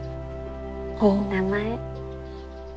いい名前。